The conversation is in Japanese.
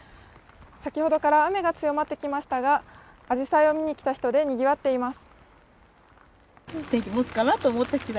先ほどから雨が強まってきましたが、あじさいを見に来た人でにぎわっています。